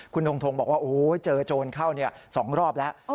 คุณทงทงบอกว่าโอ้โหเจอโจรเข้าเนี่ยสองรอบแล้วโอ้